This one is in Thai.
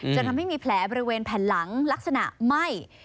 จนทำให้มีแผลบริเวณแผ่นหลังลักษณะไหม้